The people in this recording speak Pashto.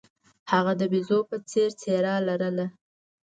هغه د بیزو په څیر څیره لرله.